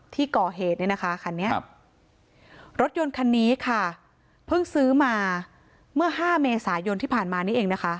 ที่ก่อเหตุเนี่ยนะคะคันนี้รถยนต์คันนี้ค่ะเพิ่งซื้อมาเมื่อ๕เมษายนที่ผ่านมานี่เองนะคะ